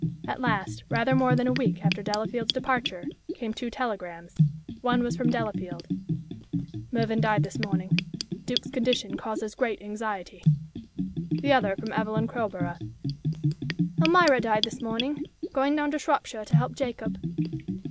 At last, rather more than a week after Delafield's departure, came two telegrams. One was from Delafield "Mervyn died this morning. Duke's condition causes great anxiety." The other from Evelyn Crowborough "Elmira died this morning. Going down to Shropshire to help Jacob."